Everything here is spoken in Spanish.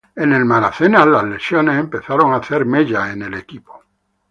En Milwaukee las lesiones empezaron a hacer mella en el pequeño base.